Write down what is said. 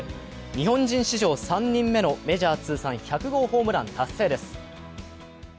日本人史上３人目のメジャー通算１００号ホームラン達成です。